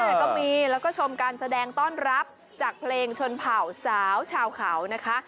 แต่ก็มีแล้วก็ชมการแสดงต้อนรับจากเพลงชนเผ่าสาวชาวเขานะคะ